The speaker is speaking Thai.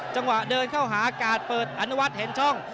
จังหวะเดินเข้าหากาดเปิดอันวัดเห็นช่อง